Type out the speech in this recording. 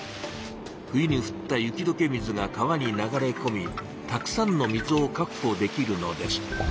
冬にふった雪どけ水が川に流れこみたくさんの水をかくほできるのです。